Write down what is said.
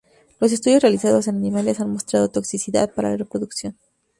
Los estudios realizados en animales han mostrado toxicidad para la reproducción.